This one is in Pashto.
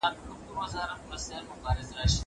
زه هره ورځ لوبه کوم!!